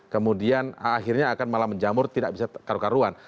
kemudian akhirnya akan malah menjamur tidak bisa karu karuan